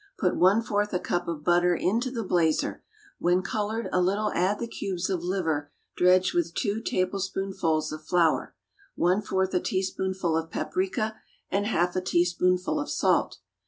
Put one fourth a cup of butter into the blazer; when colored a little add the cubes of liver dredged with two tablespoonfuls of flour, one fourth a teaspoonful of paprica and half a teaspoonful of salt.